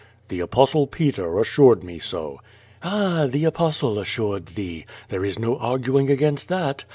"I'he Apostle Peter assured me so." "Ah! the Apostle assured thee! There is no arguing against that.